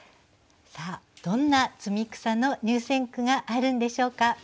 さあどんな「摘草」の入選句があるんでしょうか？